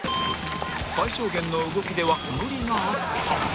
最小限の動きでは無理があった